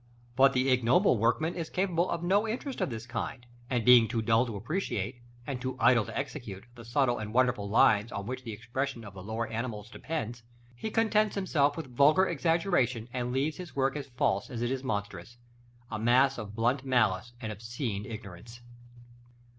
But the ignoble workman is capable of no interest of this kind; and, being too dull to appreciate, and too idle to execute, the subtle and wonderful lines on which the expression of the lower animal depends, he contents himself with vulgar exaggeration, and leaves his work as false as it is monstrous, a mass of blunt malice and obscene ignorance.